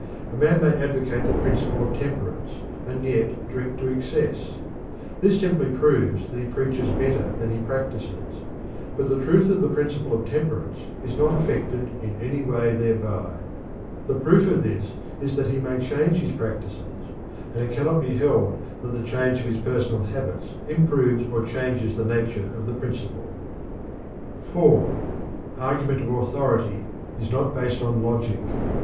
A man may advocate the principle of temperance and yet drink to excess. This simply proves that he preaches better than he practices; but the truth of the principle of temperance is not affected in any way thereby. The proof of this is that he may change his practices; and it cannot be held that the change of his personal habits improves or changes the nature of the principle. (4) Argument of authority is not based on logic.